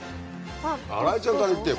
新井ちゃんからいってよ